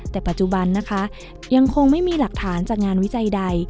แต่ปัจจุบันนะคะยังคงไม่มีหลักฐานจากงานวิจัยใด